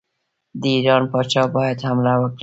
د ایران پاچا باید حمله وکړي.